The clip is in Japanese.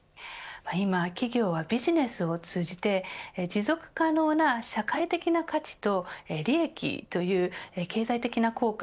今、企業はビジネスを通じて持続可能な社会的な価値と利益という経済的な効果